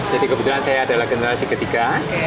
jadi kebetulan saya adalah generasi ketiga